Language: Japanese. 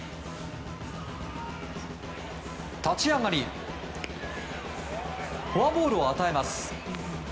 立ち上がりフォアボールを与えます。